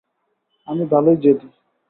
আমি ভালোই জেদী।